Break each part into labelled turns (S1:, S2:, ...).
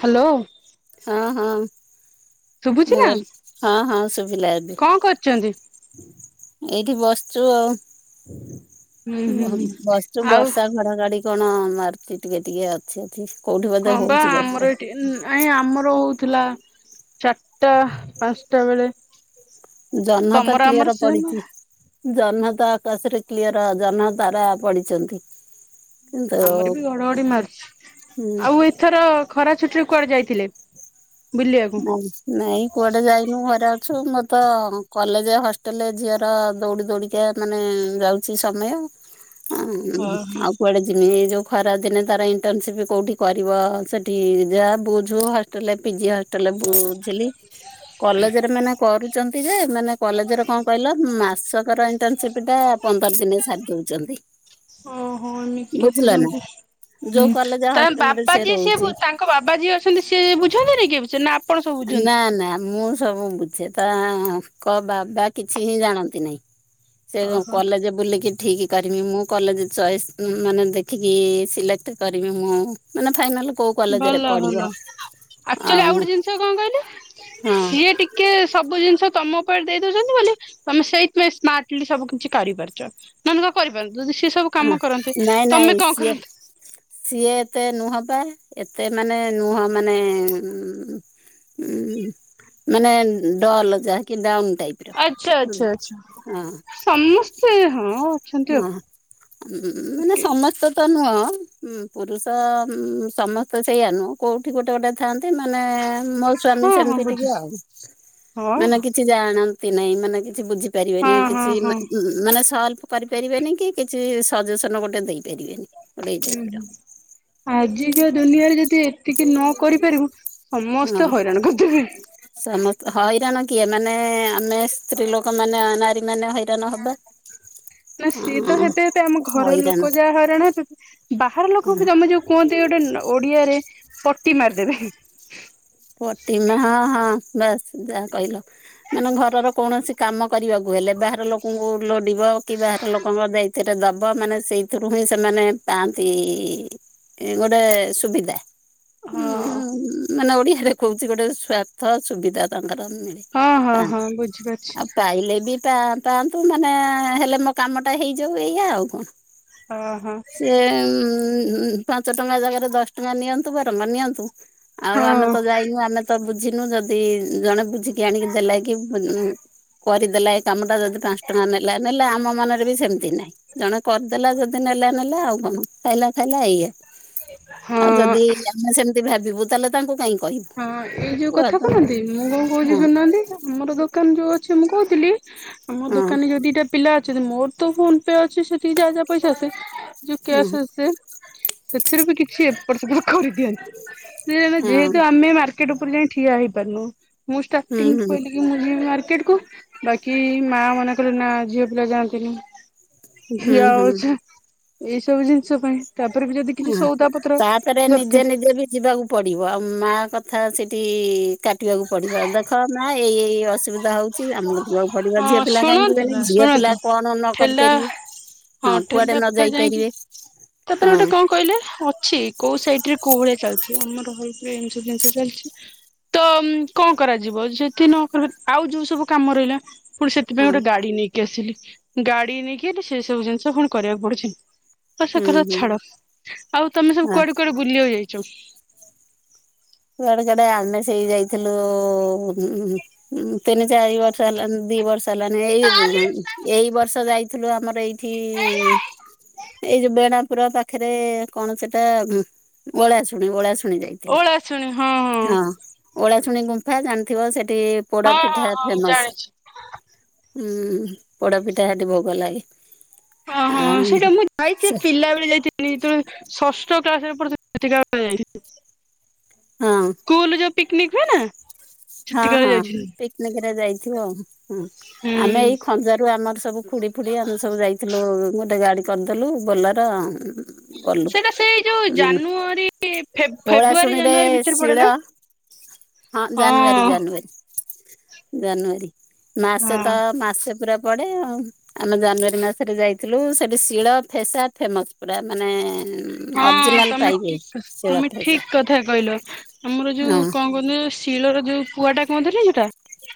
S1: Hello.
S2: ହଁ ହଁ
S1: ଶୁଭୁଛି
S2: ମୁଁ
S1: ନା
S2: କହିଲି ହଁ ହଁ ଶୁଭିଲା ଏବେ।
S1: କଣ କରୁଛନ୍ତି?
S2: ଏଇଠି ବସଚୁ ଆଉ।
S1: ହୁଁ
S2: ବହ
S1: ହୁଁ
S2: ବସିଚୁ
S1: ଆଉ
S2: ବର୍ଷା ଘଡଘଡି କଣ ମାରୁଚି ଟିକେ ଟିକେ ଅଛି ଅଛି କୋଉଠି ବୋଧେ
S1: ହଁ ବା
S2: ହଉଛି ବର୍ଷା।
S1: ଆମର ଏଠି ନାଇଁ ଆମର ହଉ ଥିଲା ଚାରିଟା ପାଞ୍ଚଟା ବେଳେ।
S2: ଜହ୍ନ ତ
S1: ତମର ଆମର
S2: କ୍ଲିଅର
S1: ସେମ
S2: ପଡିଛି। ଜହ୍ନ ତ ଆକାଶରେ କ୍ଲିଅର ଜହ୍ନ ତାରା ପଡିଛନ୍ତି। କିନ୍ତୁ
S1: ଆମର ବି ଘଡଘଡି ମାରୁଛି ଆଉ ଏଥର ଖରା ଛୁଟିରେ କୁଆଡେ ଯାଇଥିଲେ? ବୁଲିବାକୁ?
S2: ନାଇଁ ନାଇଁ କୁଆଡେ ଯାଇନୁ ଘରେ ଅ ଛୁ ମୋର ତ କଲେଜ ହଷ୍ଟେଲରେ ଝିଅର ଦୌଡ଼ି ଦୌଡ଼ିକା ମାନେ ଯାଉଛି ସମୟ। ହ
S1: ଓହୋ
S2: ଆଉ କୁଆଡେ ଯିମି ଏଇ ଯୋଉ ଖରାଦିନେ ତାର ଇଣ୍ଟସିପ କୋଉଠି କରିବ ସେଠି ଯାହା ବୁଝୁ ହଷ୍ଟେଲ ପିଜି ହ ଷ୍ଟେଲ ବୁଝିଲି କଲେଜରେ ମାନେ କରୁଛନ୍ତି ଯେ ମାନେ କଲେଜରେ କଣ କହିଲ ମାସକର ଇଣ୍ଟର୍ନସିପ୍ ଟା ପନ୍ଦର ଦିନରେ ସାରି ଦଉଛନ୍ତି।
S1: ଓହୋ ଏମିତି
S2: ବୁଝିଲ ନା
S1: ରଖୁଛନ୍ତି। ହୁଁ
S2: ଯୋଉ କଲେଜ
S1: ତାଙ୍କ
S2: ହଷ୍ଟେଲରେ
S1: ବାପା
S2: ସେ
S1: ଯିଏ ସିଏ
S2: ରହୁଛି
S1: ବୁ ତାଙ୍କ ବାବା ଯିଏ ଅଛନ୍ତି ସିଏ ବୁଝନ୍ତିନି କି? ନା ଆପଣ ସବୁ ବୁଝନ୍ତି?
S2: ନା ନା ମୁଁ ସବୁ ବୁଝେ ତାଙ୍କ ବାବା କିଛି ହିଁ ଜାଣନ୍ତି ନାହିଁ। ସେ କଲେଜ ବୁଲିକି ଠିକ କରିମି ମୁଁ କଲେଜ ଚଏସ୍ ମାନେ ଦେଖିକି ସିଲେକ୍ଟ କରିବି ମୁଁ ମାନେ ଫାଇନାଲ କୋଉ କଲେଜରେ ପଢିବ?
S1: ଆକଚୁଆଲି ଆଉ ଗୋଟେ ଜିନିଷ କଣ କହିଲେ
S2: ହଁ
S1: ସିଏ ଟିକେ ସବୁ ଜିନ ଷ ତମ ଉପରେ ଦେଇ ଦଉଛନ୍ତି ବୋଲି ତମେ ସେଇଥିପାଇଁ ସ୍ମାର୍ଟଲି ସବୁ କିଛି କରିପାରୁଛ, ନହେନେ ତ କରିପାରି
S2: ହ ନାଇଁ ନାଇଁ ସିଏ
S1: କରନ୍ତ?
S2: ସିଏ ଏତେ ନୁହଁ ବା ଏତେ ମାନେ ନୁହଁ ମାନେ ଉଁ ଉଁ ମାନେ ଡଲ ଯାହାକି ଡାଉନ୍
S1: ଆଛା ଆଚ୍ଛା ଆଛା ସମସ୍ତେ ହଁ ଅଛନ୍ତି
S2: ହଁ
S1: ଆଉ।
S2: ମାନେ
S1: ଟିକେ
S2: ସମସ୍ତେ ତ ନୁହଁ ହୁଁ ପୁରୁଷ ହୁ ସମସ୍ତେ ସେଇଆ ନୁହଁ କୋଉଠି ଗୋଟେ ଗୋଟେ ଥାଆନ୍ତି। ମାନେ ମୋ ସ୍ଵାମୀ
S1: ହଁ ହଁ
S2: ସେମିତି ଟିକେ
S1: ବୁଝୁଛି।
S2: ଆଉ
S1: ହଁ
S2: ମାନେ କିଛି ଜାଣନ୍ତି ନାହିଁ ମାନେ କିଛି ବୁଝିପାରିବେନି
S1: ହଁ ହଁ
S2: କିଛି
S1: ହଁ।
S2: ମାନେ ସଲଭ କରିପାରିବେନି କି କିଛି ସଜେସନ ଗୋଟେ ଦେଇ
S1: ଓହ ଆଜିକା ଦୁନିଆରେ ଯଦି ଏତିକି ନ କରିପାରି
S2: ହଁ
S1: ସମସ୍ତେ ହଇରାଣ କ [unintelligible]
S2: ସମସ୍ତ ହଇରାଣ କିଏ ମାନେ ଆମେ ସ୍ତ୍ରୀ ଲୋକ ମାନେ ନାରୀ ମାନେ ହଇରାଣ ହବା।
S1: ନା ସିଏ ତ
S2: ହଁ
S1: ଏବେ ଏବେ ଆମ ଘର
S2: ହଇରାଣ
S1: ଲୋକ ଯାହା ହରାଣ ଏ ବାହାର ଲୋକ ବି [unintelligible] ଗୋଟେ ଓଡିଆରେ ପଟି ମାରିଦେବେ।
S2: ପ୍ରଟିମା ହଁ ହଁ ବାସ ଯାହା କହିଲ ମାନେ ଘରର କୌଣସି କାମ କରିବାକୁ ହେଲେ ବାହାର ଲୋକଙ୍କୁ ଲୋଡ଼ିବ କି ବାହାର ଲୋକଙ୍କ ଦାୟିତ୍ୱ ଦବ ମାନେ ସେଇଥିରୁ ହିଁ ସେମାନେ ପାଆନ୍ତି ଗୋଟେ ସୁବିଧା
S1: ହଁ
S2: ହୁଁ ମାନେ ଓଡିଆରେ କହୁଛି ମାନେ ଗୋଟେ ସ୍ଵାର୍ଥ ସୁବିଧା ର [unintelligible]
S1: ହଁ ହଁ ହଁ ବୁଝିପାରୁଛି
S2: ଆଉ ପାଇଲେ ବି ପା ପାଆନ୍ତୁ ମାନେ ହେଲେ ମୋ କାମ ଟା ହେଇଯାଉ ଏଇଆ ଆଉ କଣ?
S1: ଓହୋ
S2: ସେ ପାଞ୍ଚ ଟଙ୍କା ଜାଗାରେ ଦଶ ଟଙ୍କା ନିଅନ୍ତୁ, ବରମ୍ ନିଅନ୍ତୁ
S1: ହଁ
S2: ଆଉ ଆମେ
S1: ହଁ।
S2: ଝିନୁ ଯଦି ଜଣେ ବୁଝିକି ଆଣିକି ଦେଲେ କି କରିଦେଲା ଏ କାମ ଟା ଯଦି ପାଞ୍ଚ ଟଙ୍କା ନେଲା ନେଲେ, ଆମ ମନରେ ବି ସେମିତି ନାହିଁ ଜଣେ କରିଦେଲା ଯଦି ନେଲା ଖାଇ ନେଲା ଆଉ କଣ ଖାଇଲା ଖାଇଲା ଇଏ ଆଉ
S1: ହଁ
S2: ଯଦି ଆମେ ସେମିତି ଭାବିବୁ ତାହେଲେ ତାଙ୍କୁ କାହିଁକି
S1: ହଁ ଏଇ ଯୋଉ କଥା କହୁନାହାନ୍ତି ମୁଁ କଣ କହୁଛି
S2: ହଁ।
S1: ଶୁଣୁନାହାନ୍ତି ଆମର ଦୋକାନ ଯୋଉ ଅଛି ମୁଁ କହୁଥିଲି ଆମ
S2: ହଁ
S1: ଦୋକାନରେ ଯଦି ଏଇଟା ପିଲା ଅଛନ୍ତି ମୋର ତ ଫୋନ ପେ ଅଛି ସେଠକି ଯାହା ଯାହା ପଇସା ଆସେ ଯୋଉ
S2: ହଁ
S1: କ୍ୟାସ୍ ଆସ ସେଥିରେ ବି କିଛି ଏପଟ ସେ କରିଦିଅନ୍ତି ଯେହେତୁ
S2: ହଁ
S1: ମାର୍କେଟ୍ ଉପରେ ଯାଇ ଠିଆ ହେଇ ପାରୁନୁ ମୁଁ
S2: ହୁଁ
S1: ଷ୍ଟାଟିଙ୍ଗ ରୁ
S2: ହୁଁ
S1: କହିଲି ମୁଁ ଯିବି ମାର୍କେଟ୍ ମାର୍କେଟ୍ କୁ ବାକି ମା ମନେ କଲେ ନା ଝିଅ ପିଲା ଯାଆନ୍ତିନି।
S2: ହୁଁ
S1: ଝିଅ
S2: ହୁଁ
S1: ହଉଛ ଏଇ ସବୁ ଜିନିଷ ପାଇଁ ତାପରେ ବି ଯଦି କିଛି
S2: ହ
S1: ସଉଦା ପତ୍ର
S2: ତାପରେ
S1: ଦରକାର
S2: ନିଜେ ନିଜେ ବି ଯିବାକୁ ପଡିବ ଆଉ ମା କଥା ସେଠି କାଟିବାକୁ ପଡିବ ଦେଖ ମା ଏଇ ଅସୁବିଧା ହଉଛି ଆମକୁ ଯିବାକୁ ପଡିବ
S1: ହଁ
S2: ଝିଅ ପିଲା କାହିଁକି
S1: ଶୁଣନ୍ତୁ
S2: ଯିବେନି
S1: ନା
S2: ଝିଅ
S1: ଶୁଣନ୍ତୁ
S2: ପିଲା କଣ ନ କରି
S1: ଠେଲା
S2: ପାରିବେ। ହଁ
S1: ଠେଲା
S2: କୁଆଡେ ନ
S1: ପାଖରେ
S2: ଯାଇ
S1: ଯାଇକି
S2: ପାରିବେ।
S1: ତାପରେ ଗୋଟେ କଣ କହିଲେ? ଅଛି କୋଉ ସାଇଡ ରେ କୋଉ ଭଳିଆ ଚାଲିଛି ଆମର ର ଏଠି ଏସବୁ ଜିନିଷ ଚାଲିଛି ତ କଣ କରାଯିବ ଯଦି ନକହିବେ ଆଉ ଯୋଉ ସବୁ କାମ ରହିଲା ପୁଣି ସେଥିପାଇଁ
S2: ହଁ
S1: ଗୋଟେ ଗାଡି ନେଇକି ଆସିଲି। ଗାଡି ନେଇକି ସେ ସବୁ ଜିନିଷ କଣ କରିବାକୁ ପଡୁଛି। ହ ସେ
S2: ହୁଁ
S1: କଥା
S2: ହୁଁ
S1: ଛାଡ ଆଉ ତମେ ସବୁ
S2: ହଁ
S1: କୁଆଡେ କୁଆଡେ ବୁଲିିବା ଯାଇଛ।
S2: କୁଆଡେ କଡେ ଆମେ ସେଇ ଯାଇଥିଲୁ ତିନି ଚାରି ବର୍ଷ ହେଲା। ଦି ବର୍ଷ ହେଲାନ ଏଇ ଏଇ ବର୍ଷ ଯାଇଥିଲୁ ଆମର ଏଇଠି ଏଇ ଯୋଉ ବେଣାପୁରା ପାଖରେ କଣ ସେଟା ଓଳା ଶୁଣି ଓଳା ଶୁଣି
S1: ଓଳା ଶୁଣି
S2: ହଁ ଓଳା ଶୁଣି ଗୁମ୍ଫା ଜାଣିଥିବ ସେଠି
S1: ହଁ ହଁ
S2: ପୋଡ଼ାପିଠା ହେ
S1: ହଁ ମୁଁ
S2: ଫେମସ
S1: ଜାଣିଛି।
S2: ହୁଁ ପୋଡାପିଠା ସେଠି ଭୋଗ ଲାଗେ।
S1: ଓ ହଁ
S2: ଆଉ
S1: ସେଇଟା ମୁଁ ଯାଇଛି
S2: ସେ
S1: ପିଲାବେଳେ ଯାଇଥିଲି ତେଣୁ ଷଷ୍ଠ [unintelligible]
S2: ହଁ
S1: ସ୍କୁଲ ଯୋଉ ପିକନିକ ହୁଏ ନା
S2: ହଁ
S1: ସେତିକି ବେଳେ
S2: ହଁ
S1: ଯାଇଥିଲି
S2: ପିକନିକ ରେ ଯାଇଥିବ ଆଉ ହୁଁ ଆମେ
S1: ହୁଁ।
S2: ଏଇ ଖଞ୍ଜାରୁ ଆମର ସବୁ ଫୁଡି ଫୁଡି ଆମେ ସବୁ ଯାଇଥିଲୁ ଗୋଟେ ଗାଡି କରିଦେଲୁ ବୋଲର ଗଲୁ।
S1: ସେଇଟା ସେଇ ଯୋଉ ଜାନୁଆରୀ
S2: ଓଳା
S1: ଫେବୃଆରୀ
S2: ଶୁଣୀରେ
S1: ଜାନୁଆରୀ ଭିତରେ ପଡେ
S2: ଶିଳ
S1: ନା?
S2: ହଁ ଜାନୁଆରୀ ଜାନୁଆରୀ ଜାନୁଆରୀ ମାସେ
S1: ହଁ
S2: ତ ମାସେ ପୁରା ପଡେ ଆଉ ଆମେ ଜାନୁଆରୀ ମାସରେ ଯାଇଥିଲୁ ସେଠି ଶିଳ ଫେସା ଫେମସ୍ ପୁରା ମାନେ
S1: ହଁ
S2: ଅରିଜିନାଲ
S1: ତମେ
S2: ପାଇବେ
S1: ଠିକ
S2: ଶିଳ
S1: ତମେ
S2: ଫେସା
S1: ଠିକ କଥା କହିଲ ଆମର ଯୋଉ
S2: ହଁ
S1: କଣ କହ ଶିଳର ଯୋଉ ପୁଆ ଟା କଣଥିଲା ସେଟା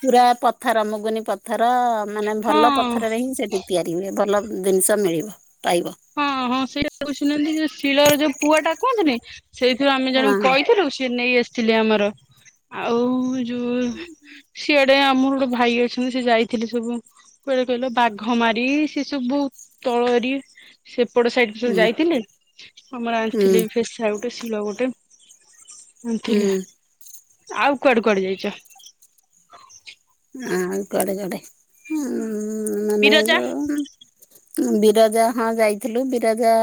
S2: ପୁରା ପଥର ମୁଗୁନି ପଥର ମାନେ
S1: ହଁ
S2: ଭଲ ପଥରରେ ହିଁ ସେଠି ତିଆରି ହୁଏ ଭଲ ଜିନିଷ ମିଳିବ। ପାଇବ
S1: ହଁ ହଁ ସେଇଟା କହୁଛନ୍ତି ଯୋ ଶିଳର ଯୋଉ ପୁଆ ଟା କୁହନ୍ତିୁନି ସେଇଥିରୁ ଆମେ
S2: ହଁ
S1: ଜଣଙ୍କୁ
S2: ହଁ
S1: କହିଥିଲୁ, ସିଏ ନେଇ ଆସିଥିଲେ ଆମର, ଆଉ ଆଉ ଯୋଉ ସିଏ ଗୋଟେ ଆମର ଗୋଟେ ଭାଇ ଅଛନ୍ତି, ସେ ଯାଇଥିଲେ ସବୁ କୁଆଡେ କହିଲ ବାଘ ମାରି ସେ ସବୁ ତଳରି ସେପଟ ସାଇଡ ସ
S2: ହୁଁ
S1: ଯାଇଥିଲେ ଆମର
S2: ହୁଁ
S1: ଆଣିଥିଲେି ପେସା ଗୋଟେ, ଶିଳ ଗୋଟେ ଥିଲେ
S2: ହୁଁ
S1: ଆଉ କୁଆଡେ କୁଆଡେ ଯାଇଛ?
S2: ହଁ କୁଆଡେ କୁଆଡେ ହଁ [unintelligible]
S1: ବିରଜା
S2: ମନେକର [unintelligible] ବିରଜା ହଁ ଯାଇଥିଲୁ, ବିରଜା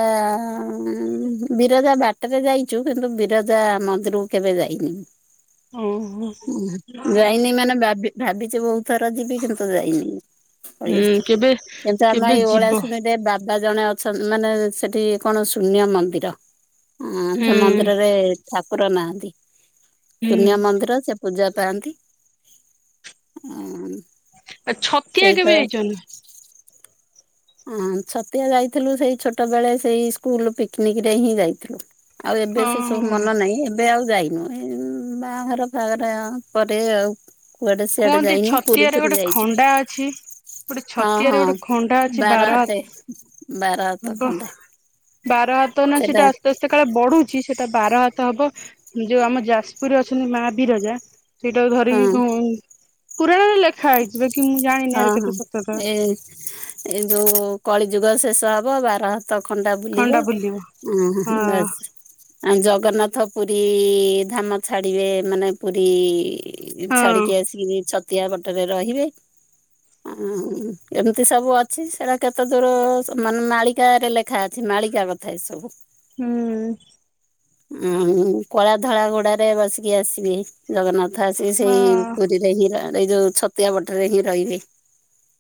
S2: ବିରଜା ବାଟ ଟରେ ଯାଇଛୁ, କିନ୍ତୁ ବିରଜା ମନ୍ଦିରକୁ କେବେ ଯାଇନୁ।
S1: ଓହୋ ହୁଁ
S2: ଯାଇନି ମାନେ ଭାବ ଭାବିଛି ବହୁତ। ଥର ଯିବି କିନ୍ତୁ ଯାଇନି ପଳିେଇଆସଛୁ
S1: କେବେ
S2: କିନ୍ତୁ ଆମେ
S1: କେବେ
S2: ଏ
S1: ଯିବ
S2: ଓଳାଶୁଣୀରେ ବା ଜଣେ ଅଛନ୍ତି, ମାନେ ସେଠି କଣ ଶୂନ୍ୟ ମନ୍ଦିର ହଁ
S1: ହୁଁ
S2: ସେ ମନ୍ଦିରରେ ଠାକୁର ନାହାନ୍ତି,
S1: ହୁଁ
S2: ଶୂନ୍ୟ ମନ୍ଦିର ସେ ପୂଜା ପାଆନ୍ତି ଆ।
S1: ଆ ଛତିଆ କେବେ ଯାଇଛନ୍ତି?
S2: ହଁ ଛତିଆ ଯାଇଥିଲୁ, ସେଇ ଛୋଟ ବେଳେ ସେଇ ସ୍କୁଲ ପିକନିକ, ରେ ହିଁ ଯାଇଥିଲୁ। ଆଉ ଏବେ ସେ ସବୁ
S1: ହଁ
S2: ମନ ନାହିଁ ଏ ଏବେ ଆଉ ଯାଇନୁ, ଏ ବାହାଘର ଫାହାଗର ପରେ ଆଉ କୁଆଡେ ସେଆଡେ
S1: କୁହନ୍ତି
S2: ଯାଇନୁ, ପୁରୀ
S1: ଛତିଆରେ
S2: ଫୁରୀ
S1: ଗୋଟେ
S2: ଯାଇଛୁ
S1: ଖଣ୍ଡା ଅଛି। ଗୋଟେ
S2: ହଁ
S1: ଛତିଆରେ
S2: ହଁ
S1: ଗୋଟେ ଖଣ୍ଡା ଅଛି
S2: ବାର
S1: ହାତ
S2: ହାତେ ବାର ହାତ
S1: ହବ
S2: ଖଣ୍ଡେ
S1: ବାର ହାତ ନା ସେଟା ଆସ୍ତେ ଆସ୍ତେ କାଳେ ବଢୁଛି, ସେଟା ବାର ହାତ ହବ ଯୋଉ ଆମ ଯାଜପୁରରେ ଅଛନ୍ତି ମା ବିିରଜା ସେଇଟାକୁ
S2: ହଁ
S1: ଧରିକି କଣ। ପୁରାଣରେ ଲେଖ୍
S2: ହଁ ହଁ ଏ ଯୋଉ କଳି ଯୁଗ ଶେଷ ହବ, ବାର ହାତ ଖଣ୍ଡା ବୁଲିବ ଉ
S1: ହଁ
S2: ବାସ୍ ଆ ଜଗନ୍ନାଥ ପୁରୀ, ଧାମ ଛାଡିବେ, ମାନେ ପୁରୀ
S1: ହଁ
S2: ଛାଡିକି ଆସିକି, ଛତିଆ ଵଟରେ ରହିବେ। ହ ଏମିତି ସବୁ ଅଛି, ସେଟା କେତେ ଦୂର ମାନେ ମାଳିକାରେ ରେ ଲେଖା ଅଛି ନା ମାଳିକା କଥା ଏ ସବୁ।
S1: ହୁଁ।
S2: ଉଁ କଳା ଧଳା ଘୋଡାରେ ବସିକି ଆସିବେ ଜଗନ୍ନାଥ। କଥା ସେି ସେଇ
S1: ହଁ
S2: ପୁରୀରେ, ହିଁ ଏଇ ଯୋଉ ସେଇ ଛତିଆ ପଟରେ ହିଁ ରହିବେ।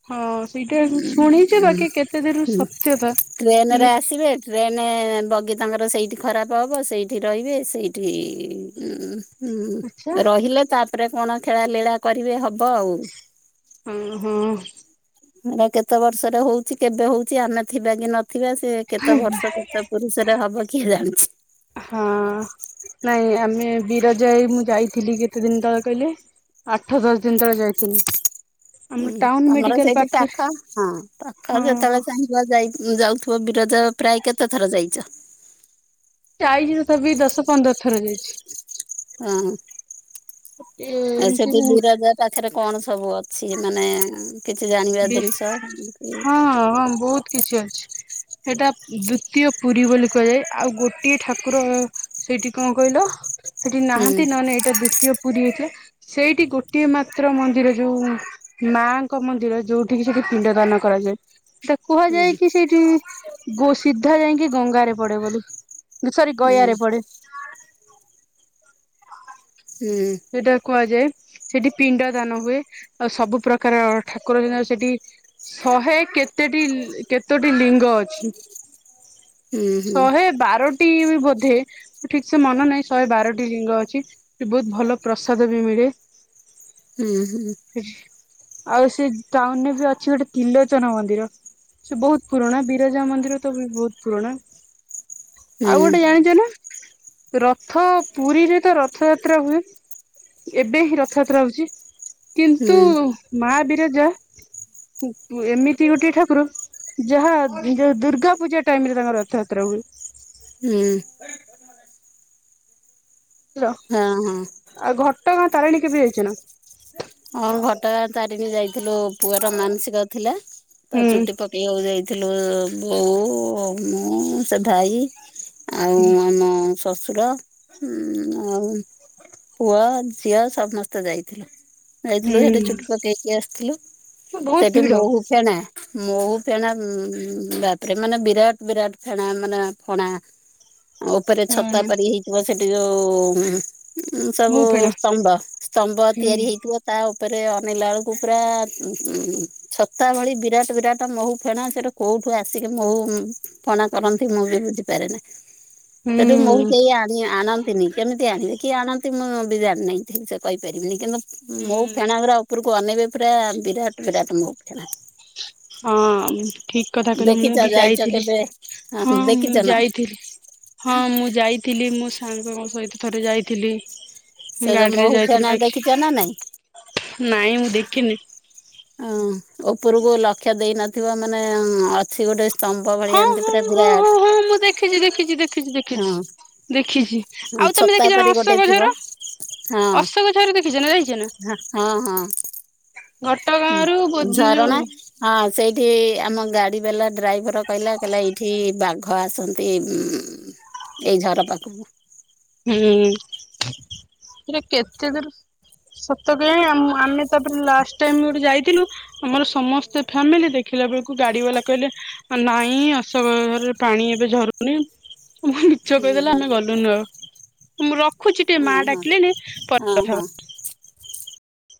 S1: ହଁ ସେଇଟା ଶୁଣିଛ, ବାକି କେତେ ଦୂର ସତ୍ୟତା
S2: ଟ୍ରେନ ରେ, ଆସିବେ ଟ୍ରେନ ମାନେ ବଗି ତାଙ୍କର ସେଇଠି ଖରାପ ହବ, ସେଇଠି ରହିବେ, ସେଇଠି ଉଁ ହୁଁ
S1: ଆଚ୍ଛା
S2: ରହିଲେ ତାପରେ କଣ ଖେଳା ଲିଳା କରିବେ, ହବ ଆଉ
S1: ହଁ ହଁ।
S2: ହେ କେତେ ବର୍ଷରେ ହଉଛି, କେବେ ହଉଛି ଆମେ ଥିବା କି ନ ଥିବା ସେ କେତେ ବର୍ଷ, କେତେ ପୁରୁଷରେ ହବ କିଏ ଜାଣିଛି?
S1: ହଁ ନାଇଁ ଆମ ବିରଜା ହେଇ ମୁଁ ଯାଇଥିଲି, କେତେ ଦିନ ତଳେ କହିଲେ, ଆଠ ଦଶ ଦିନ ତଳେ ଯାଇଥିଲି। ଆମ
S2: ହୁଁ
S1: ଟାଉନ
S2: ତମର
S1: ମେଡିକାଲ
S2: ସେଇଠି
S1: ପାଖରେ
S2: ପାଖ, ହ ପାଖ
S1: ହଁ
S2: ଯେତେବେଳେ ଚାହିଁବ ଯାଉଥିବ। ଯୋ ଯାଅ ପ୍ରାୟ କେତେ ଥର ଯାଇଚ?
S1: ଯାଇଚି ତଥାପି ଦଶ, ପନ୍ଦର ଥର ଯାଇଛି।
S2: ଅଁ, ଆଉ
S1: ଏମିତି
S2: ସେଠି ବିରଜା ପାଖରେ କଣ ସବୁ ଅଛି? ମାନେ କିଛି ଜାଣିବା
S1: ବି-
S2: ଜିନିଷ କି
S1: ହଁ, ହଁ ବହୁତ କିଛି ଅଛି। ସେଟା, ଦ୍ଵୁତୀୟ ପୁରୀ ବୋଲି କୁହାଯାଏ। ଆଉ ଗୋଟିଏ ଠାକୁର ସେଇଠି କଣ କହିଲ ସେଠି
S2: ହୁଁ
S1: ନାହାନ୍ତି ନନେ ଏଇଟା ଦ୍ଵିତୀୟ ପୁରୀ ହେଇଥିଲା ସେଇଠି ଗୋଟିଏ ମା ତ୍ର ମନ୍ଦିର ଯୋଉ ମାଙ୍କ ମନ୍ଦିର ଯୋଉଠିକି ସେଠି ପିଣ୍ଡ ଦାନ କରାଯାଏ। ତ କୁହାଯାଏ
S2: ହୁଁ
S1: କି ସେଇଠି ଗୋ ସିିଧା ଯାଇଁକି ଗଙ୍ଗାରେ ପଡେ ବୋଲି, [unintelligible] ସରି
S2: ହୁଁ
S1: ଗୟାରେ ପଡେ।
S2: ହୁଁ
S1: ସେଇଟା କୁହାଯାଏ। ସେଠି ପିଣ୍ଡ ଦାନ ହୁଏ। ଆଉ ସବୁ ପ୍ରକାର ଠାକୁର [unintelligible] ସେଟି ଶହେ କେତେଟି କେତୋଟି ଲିଙ୍ଗ ଅଛି?
S2: ହୁଁ
S1: ଶହେ ବାର ଟି ବୋଧେ ଠିକ ସେ ମନେ ନାଇ ଶହେ ବାରଟି ଲିଙ୍ଗ ଅଛି। ସେ ବହୁତ ଭଲ ପ୍ରସାଦ ବି ମିଳେ।
S2: ହୁଁ, ହୁଁ।
S1: ଆଉ ସେ ଟାଉନ୍ ରେ ବି ଅଛି ଗୋଟେ ତ୍ରିଲୋଚନ ମନ୍ଦିର। ସେ ବହୁତ ପୁରୁଣା। ବିରଜା ମନ୍ଦିର ତ ବହୁତ ପୁରୁଣା। ଆଉ
S2: ହୁଁ
S1: ଗୋଟେ ଜାଣିଚ ନା ରଥ ପୁରୀରେ ତ ରଥଯାତ୍ରା ହୁଏ। ଏବେ ହିଁ ରଥଯାତ୍ରା ହଉଛି।
S2: ହୁଁ
S1: କିନ୍ତୁ
S2: ହୁଁ
S1: ମା ବିରଜା ଉ, ଏମିତି ଗୋଟିଏ ଠାକୁର ଯାହା ଯୋଉ ଦୁର୍ଗା ପୂଜା ଟାଇମ୍ ରେ ତାଙ୍କର ରଥଯାତ୍ରା ହୁଏ।
S2: ହୁଁ।
S1: ହେଲୋ
S2: ହଁ ହଁ
S1: ଆଉ ଘଟଗାଁ ତାରିଣୀ କେବେ ଯାଇଚ ନା?
S2: ହଁ ଘଟଗାଁ ତାରିଣୀ ଯାଇଥିଲୁ ପୁଅର ମାନସିକ ଥିଲା। ତା ଚୁଟି
S1: ହୁଁ
S2: ପକେଇବାକୁ ଯାଇଥିଲୁ। ବୋଉ ମୁଁ ସେ ଭାଇ ଆଉ ଆମ ଶଶୁର ଉଁ ଆଉ ପୁଅ ଝିଅ ସମସ୍ତେ ଯାଇଥିଲେ। ଯାଇଥିଲୁ
S1: ହୁଁ
S2: ସେଠି ଚୁଟି ପକେଇକି ଆସିଥିଲୁ।
S1: ବହୁତ
S2: ସେଠି
S1: ଭିଡ
S2: ମହୁ ଫେଣା ମହୁ ଫେଣା ଉଁ, ବାପରେ ମାନେ ବିରାଟ ବିରାଟ ଫେଣା ମାନେ ଫଣା ଆଉ ଉପରେ ଛତା
S1: ହୁଁ
S2: ପାରି ହେଇଥିବ ସେଠି ଯୋଉ ହୁଁ, ହୁଁ ଉଁ, ସବୁ
S1: ମୁଁ ଫେଣା
S2: ସ୍ତମ୍ବ ସ୍ତମ୍ବ
S1: ହୁଁ
S2: ତିଆରି ହେଇ ତା ଉପରେ ଅନେଇଲାଳକୁ ପୁରା ଉଁ ଛତା ଭଳି ବିରାଟ ବିରାଟ ମହୁ ଫେଣା। ସେଟୁ କୋଉଠୁ ଆସିକି ମହୁ ଉଁ ଫଣା କରନ୍ତି ମୁଁ ବି ବୁଝିପାରେ ନା। ସେଠୁ ମହୁ କେଇ
S1: ହୁଁ
S2: ଆଣି ଆଣନ୍ତିନି। କେମିତ ତି ଆଣିବେ କିଏ ଆଣନ୍ତି ମୁଁ ବି ଜାଣିନାଇ ଠିକସେ କହିପାରିବିନି। କିନ୍ତୁ ମହୁ ଫେଣାଗୁରା ଉପରୁ କୁ ଅନେଇବେ ପୁରା ବିରାଟ ବିରାଟ ମହୁ ଫେଣା
S1: ହଁ ଠିକ କଥା କହିଲ
S2: ଦେଖିଛ
S1: ମୁଁ ବି
S2: ଯାଇଛ
S1: ଯାଇଥିଲି।
S2: କେବେ
S1: ହଁ
S2: ଦେଖିଛ
S1: ମୁଁ
S2: ନା
S1: ଯାଇଥିଲି, ହଁ ମୁଁ ଯାଇଥିଲି ମୋ ସାଙ୍ଗଙ୍କ ସ ସହିତ ଥରେ ଯାଇଥିଲି।
S2: ସେ ଯୋଉ
S1: ଗାଡିରେ
S2: ମହୁ
S1: ଯାଇଥିଲି
S2: ଫେଣା ଦେଖିଛ ନା ନାଇଁ?
S1: ବାକି ନାଇଁ ମୁଁ ଦେଖିନି।
S2: ଅଁ, ଉପରକୁ ଲକ୍ଷ୍ୟ ଦେଇ ନଥିବ ମାନେ ଅଛି ଗୋଟେ ସ୍ତମ୍ବ
S1: ହଁ
S2: ଭଳିଆ ଏମିତି
S1: ହଁ
S2: ପୁରା
S1: ହଁ ହଁ
S2: ବିରାଟ
S1: ହଁ ମୁଁ ଦେଖିଛି ଦେଖିଛି ଦେଖିଛି ଦେଖିଛି।
S2: ଅଁ,
S1: ଦେଖିଛି
S2: ହଁ
S1: ଆଉ ତମେ
S2: ଛତା
S1: ଦେଖିଛ ନା
S2: ପରି ଗୋଟେ
S1: ଅଶୋକ ଝର
S2: ଥିବ। ହଁ,
S1: ଅଶୋକ ଝର ଦେଖିଛ ନା ଯାଇଛ ନା?
S2: ହଁ, ହଁ। ଉଁ,
S1: ଘଟଗାଁରୁ
S2: ଉଁ,
S1: ବୋଧେ ଯୋଉ
S2: ଝରଣା ହଁ ସେଇଠି ଆମ ଗାଡ଼ିବାଲା ଡ୍ରାଇଭର୍ କହିଲା କହିଲା ଏଇଠି ବାଘ ଆସନ୍ତି। ଉଁ, ଏଇ ଝର ପାଖକୁ।
S1: ହୁଁ, ସେଟା କେତେ ଦୂର ସତ କହିବି ଆ, ମୁଁ ଆମେ ତାପରେ ଲାଷ୍ଟ ଟାଇମ୍ ଗୋଟେ ଯାଇଥିଲୁ। ଆମର ସମସ୍ତେ ଫ୍ୟାମିଲି ଦେଖି ଦେଖିଲା ବେଳକୁ ଗାଡିବାଲା କହିଲେ ନାଇଁ ଆସ ବରରେ ପାଣି ଏବେ ଝରୁନି। ମିଛ
S2: ହୁଁ
S1: କହିଦେଲେ
S2: ହୁଁ
S1: ଆମେ ଗଲୁନୁ ଆଉ। ରଖୁଛି ଟିକେ ମା
S2: ହଁ ହଁ
S1: ଡାକିଲେଣି ପରେ
S2: ହଁ
S1: କଥା
S2: ହଁ
S1: ହେବା।